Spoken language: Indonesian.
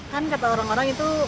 kan kata orang orang itu